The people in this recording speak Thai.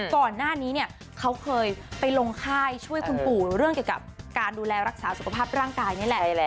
ก่อนหน้านี้เนี่ยเขาเคยไปลงค่ายช่วยคุณปู่เรื่องเกี่ยวกับการดูแลรักษาสุขภาพร่างกายนี่แหละ